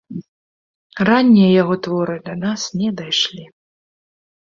Раннія яго творы да нас не дайшлі.